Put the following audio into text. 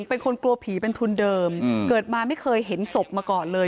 เป็นคนกลัวผีเป็นทุนเดิมเกิดมาไม่เคยเห็นศพมาก่อนเลย